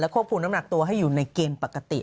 ควบคุมน้ำหนักตัวให้อยู่ในเกณฑ์ปกติ